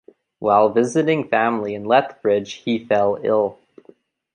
While visiting family in Lethbridge he fell ill.